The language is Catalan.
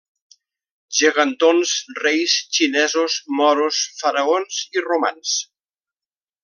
Gegantons, Reis, Xinesos, Moros, Faraons i Romans.